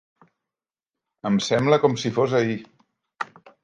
Em sembla com si fos ahir.